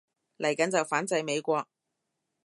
嚟緊就反制美國